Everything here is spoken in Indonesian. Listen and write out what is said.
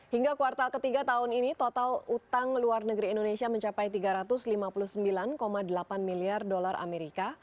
hingga kuartal ketiga tahun ini total utang luar negeri indonesia mencapai tiga ratus lima puluh sembilan delapan miliar dolar amerika